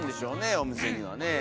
お店にはね。